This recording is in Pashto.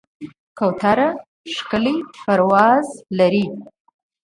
کوتره ښکلی پرواز لري.